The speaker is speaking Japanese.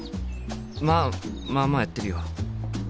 まあまあまあやってるよ。